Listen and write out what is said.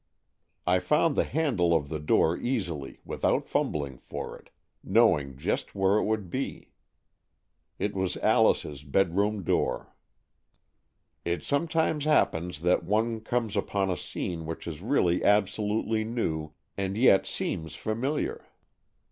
I found the handle of the door easily, without fumbling for it, knowing just where it would be. It was Alice's bedroom door. 162 AN EXCHANGE OF SOULS " It sometimes happens that one comes upon a scene which is really absolutely new, and yet seems familiar.